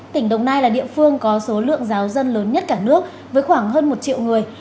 tỉnh đồng nai là địa phương có số lượng giáo dân lớn nhất cả nước với khoảng hơn một triệu người